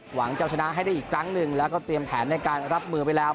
หวังจะชนะให้ได้อีกครั้งหนึ่งแล้วก็เตรียมแผนในการรับมือไปแล้ว